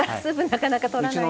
なかなかとらないので。